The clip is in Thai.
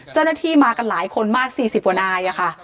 เจ้าหน้าที่มากันหลายคนมาก๔๐กว่านายค่ะ